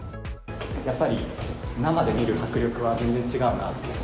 やっぱり生で見る迫力は全然違うなって。